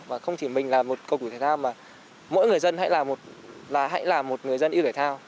và không chỉ mình là một cộng cụ thể thao mà mỗi người dân hãy là một người dân yêu thể thao